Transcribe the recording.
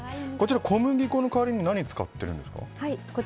小麦粉の代わりに何を使っているんですか。